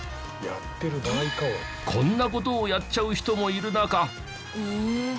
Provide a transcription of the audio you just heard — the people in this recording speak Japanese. こんな事をやっちゃう人もいる中。